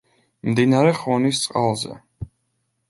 მდინარე ხონის წყალზე.